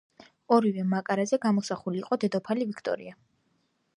ორივე მარკაზე გამოსახული იყო დედოფალი ვიქტორია.